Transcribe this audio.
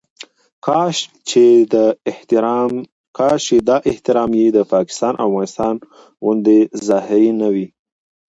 کاش چې دا احترام یې د پاکستان او افغانستان غوندې ظاهري نه وي.